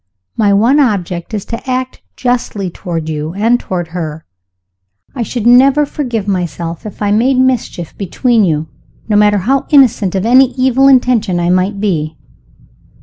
My one object is to act justly toward you and toward her. I should never forgive myself if I made mischief between you, no matter how innocent of any evil intention I might be."